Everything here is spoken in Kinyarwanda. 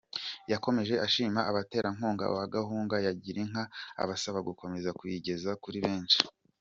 Yakomeje ashima abaterankunga ba gahunda ya Girinka abasaba gukomeza kuyigeza kuri benshi.